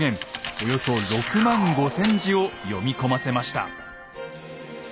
およそ６万５，０００字を読み込ませました。